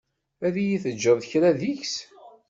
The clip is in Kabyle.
Ad yi-teǧǧeḍ kra deg-s?